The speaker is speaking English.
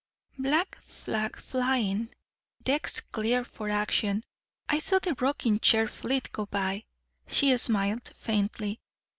"Black flag flying, decks cleared for action I saw the rocking chair fleet go by." She smiled faintly.